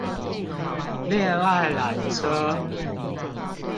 戀愛纜車